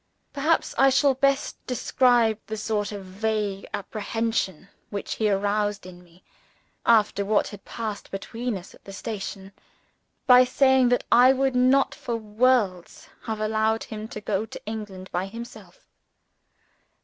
Perhaps I shall best describe the sort of vague apprehension which he aroused in me after what had passed between us at the station by saying that I would not for worlds have allowed him to go to England by himself.